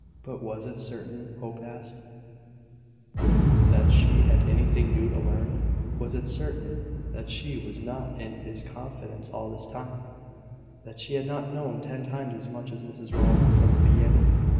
But was it certain, Hope asked, that she had anything new to learn? Was it certain that she was not in his confidence all this time that she had not known ten times as much as Mrs Rowland from the beginning?